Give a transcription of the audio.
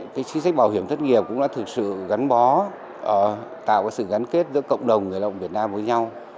chính sách bảo hiểm thất nghiệp cũng đã thực sự gắn bó tạo sự gắn kết giữa cộng đồng người lao động việt nam với nhau